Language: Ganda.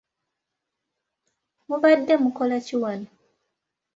Mubadde mukola ki wano?